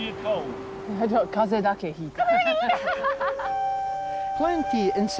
風邪だけひいた。